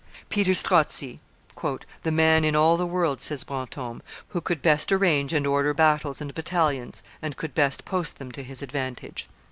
[Peter Strozzi, "the man in all the world," says Brantome, "who could best arrange and order battles and battalions, and could best post them to his advantage."